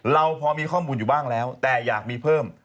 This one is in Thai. เราพอมีข้อมูลอยู่บ้างแล้วแต่อยากมีเพิ่ม